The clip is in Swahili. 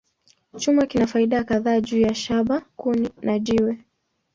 Chuma kina faida kadhaa juu ya shaba, kuni, na jiwe.